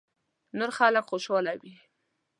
نور خلک خوشاله وي .